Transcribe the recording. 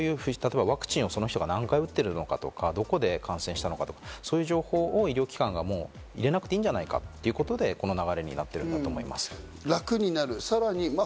だからこういうワクチンをその人が何回打ってるとか、どこで感染したかとかいう情報を医療機関が、もう入れなくていいんじゃないかということで、この流れになっています。